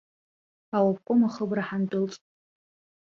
Аобком ахыбра ҳандәылҵ.